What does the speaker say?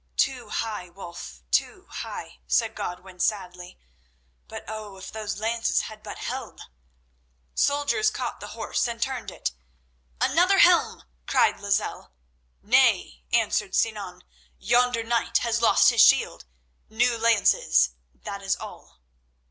"Too high, Wulf; too high," said Godwin sadly. "But oh! if those laces had but held!" Soldiers caught the horse and turned it. "Another helm!" cried Lozelle. "Nay," answered Sinan; "yonder knight has lost his shield. New lances—that is all."